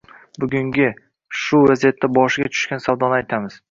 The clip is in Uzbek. Bugungi, shu lahzada boshiga tushgan savdoni aytamiz